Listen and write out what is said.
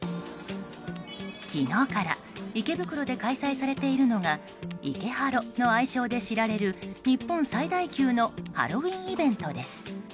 昨日から池袋で開催されているのが池ハロの愛称で知られる日本最大級のハロウィーンイベントです。